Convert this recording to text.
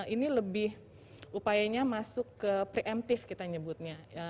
ini lebih upayanya masuk ke preemptif kita nyebutnya